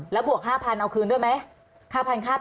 แล้วบวก๕๐๐เอาคืนด้วยไหม